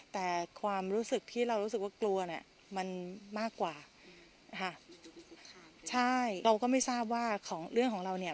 แต่ความรู้สึกที่เรารู้สึกว่ากลัวเนี่ยมันมากกว่าค่ะใช่เราก็ไม่ทราบว่าของเรื่องของเราเนี่ย